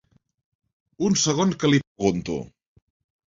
Un segon que li pregunto.